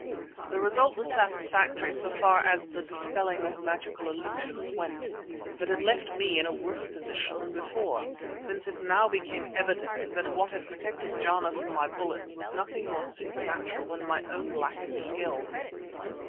The result was satisfactory so far as the dispelling of magical illusions went, but it left me in a worse position than before, since it now became evident that what had protected Jana from my bullets was nothing more supernatural than my own lack of skill.